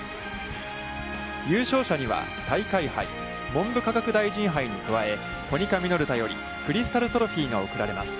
優勝者には大会杯、文部科学大臣杯に加えコニカミノルタよりクリスタルトロフィーが贈られます。